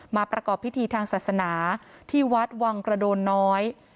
ประกอบพิธีทางศาสนาที่วัดวังกระโดนน้อย